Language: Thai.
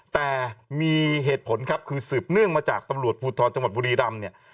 แต่มีเหตุผลครับคือสืบเนื่องมาจากตำรวจภูทรจังหวัดบุรีรำเนี่ย